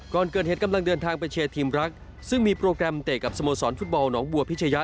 ก่อนเกิดเหตุกำลังเดินทางไปเชียร์ทีมรักซึ่งมีโปรแกรมเตะกับสโมสรฟุตบอลหนองบัวพิชยะ